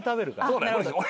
そうだよ。